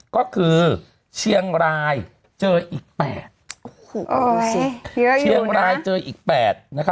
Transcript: ก็คือเชียงรายเจออีก๘โอ้โหดูสิเชียงรายเจออีก๘